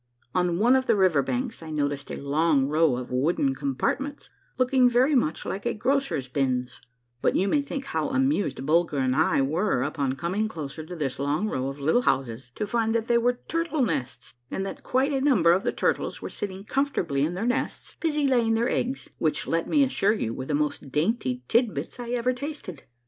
On one of the river banks I noticed a long row of wooden compartments looking very much like a grocer's bins ; but you may think how amused Bulger and I were upon coming closer to this long row of little houses to find that they were turtle nests, and that quite a number of the turtles were sitting comfortably in their nests busy laying their eggs — which, let me assure you, were the most dainty tidbits I ever tasted.